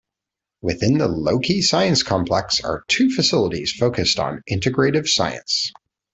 Within the Lokey Science Complex are two facilities focused on integrative science.